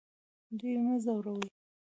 دوی مه ځوروئ